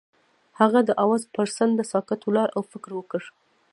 هغه د اواز پر څنډه ساکت ولاړ او فکر وکړ.